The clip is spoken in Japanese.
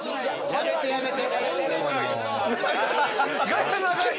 やめてやめて。